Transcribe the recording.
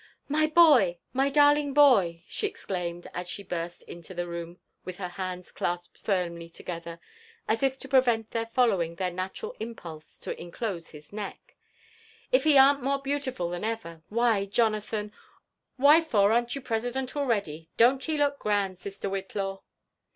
'' My boy 1 my darling boy !" she exclaimed as she burst into the room with her hands clas|)ed firmly together, as if to prevent their following their natural impulse to inclose his neck; '* if he arn't more beautiful than ever! Why, Jonathan — why for arn't you President alread y ? Don' t he look grand , sister Whitlaw ?"